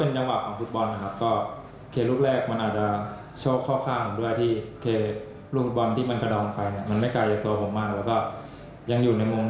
โอเคประตูอาวุธพรุ่งบริษัททาง